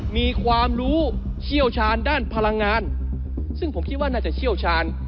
มีความรู้เชี่ยวชาญด้านพลังงานซึ่งผมคิดว่าน่าจะเชี่ยวชาญ